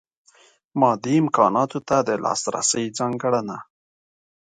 مادي امکاناتو ته د لاسرسۍ ځانګړنه.